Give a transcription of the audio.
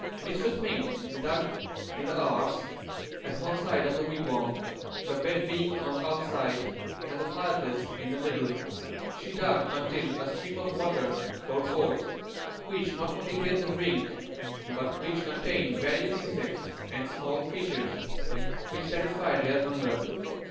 Mistress Mink dug in the earth at one side of the wigwam, the bed being on the other side, and the fire place in the middle. She dug until a stream of water flowed forth which not only gave them drink, but which contained various insects and small creatures which satisfied their hunger.